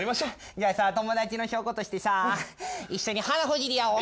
じゃあさ友達の証拠としてさ一緒に鼻ほじり合おう。